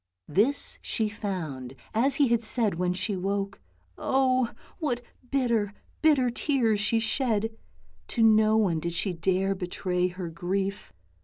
This she found, as he had said, when she woke. Oh! what bitter, bitter tears she shed. To no one did she dare betray her grief.